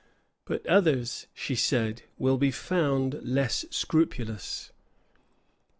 "But others," she said, "will be found less scrupulous."